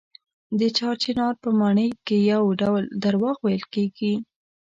د چار چنار په ماڼۍ کې یو ډول درواغ ویل کېږي.